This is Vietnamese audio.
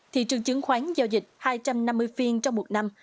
thị trường chứng khoán giao dịch hai trăm năm mươi phiên trong một năm